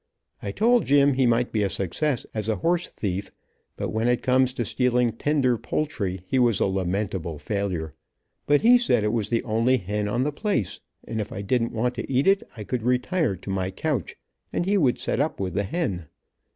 I told Jim he might be a success as a horse thief, but when it come to stealing tender poultry he was a lamentable failure, but he said it was the only hen on the place, and if I didn't want to eat it I could retire to my couch and he would set up with the hen.